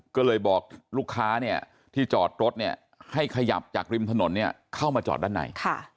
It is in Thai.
ก็เลยบอกลูกค้าที่จอดรถให้ขยับจากริมถนนเข้ามาจอดด้านใน